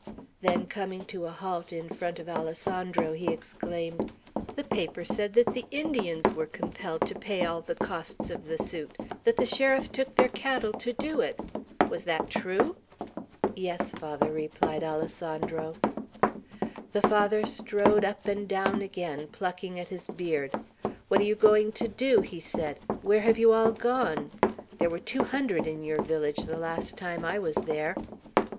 Then, coming to a halt in front of Alessandro, he exclaimed: "The paper said that the Indians were compelled to pay all the costs of the suit; that the sheriff took their cattle to do it. Was that true?" "Yes, Father," replied Alessandro. The Father strode up and down again, plucking at his beard. "What are you going to do?" he said. "Where have you all gone? There were two hundred in your village the last time I was there."